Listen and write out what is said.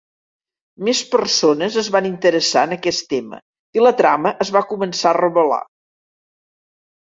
Més persones es van interessar en aquest tema i la trama es va començar a revelar.